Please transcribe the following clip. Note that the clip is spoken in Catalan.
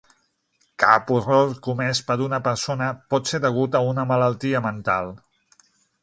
Cap horror comès per una persona pot ser degut a una malaltia mental.